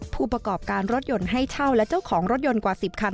ผู้ประกอบการรถยนต์ให้เช่าและเจ้าของรถยนต์กว่า๑๐คัน